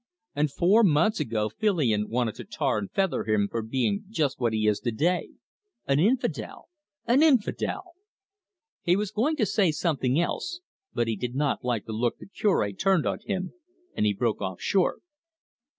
And four months ago Filion wanted to tar and feather him for being just what he is to day an infidel an infidel!" He was going to say something else, but he did not like the look the Cure turned on him, and he broke off short.